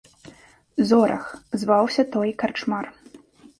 Зорах зваўся той карчмар.